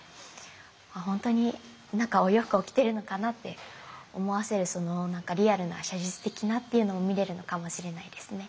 本当に何かお洋服を着てるのかなって思わせるそのリアルな写実的なっていうのが見れるのかもしれないですね。